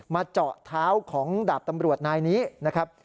เจาะเท้าของดาบตำรวจนายนี้นะครับ